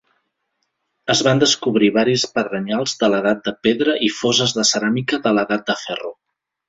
Es van descobrir varis pedrenyals de l'edat de pedra i foses de ceràmica de l'edat de ferro.